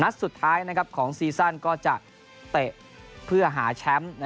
สุดท้ายของซีซั่นก็จะเตะเพื่อหาแชมป์